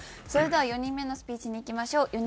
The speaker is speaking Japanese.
それでは４人目のスピーチにいきましょう。